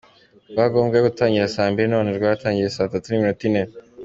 Rwagombaga gutangira saa mbiri none rwatangiye saa tatu n’iminota ine.